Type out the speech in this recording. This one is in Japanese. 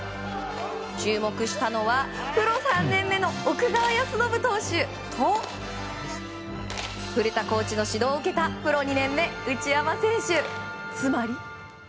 注目したのはプロ３年目の奥川恭伸投手と古田コーチの指導を受けたプロ２年目内山選手、つまり。